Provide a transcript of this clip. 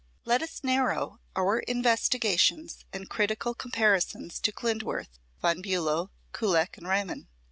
Let us narrow our investigations and critical comparisons to Klindworth, Von Bulow, Kullak and Riemann.